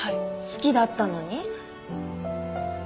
好きだったのに？